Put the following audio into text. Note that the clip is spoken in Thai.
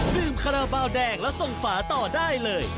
ดื่มขนาดเบาแดงและส่งฝาต่อได้เลย